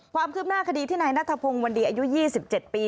ความคืบหน้าคดีที่นายนัทพงศ์วันดีอายุ๒๗ปี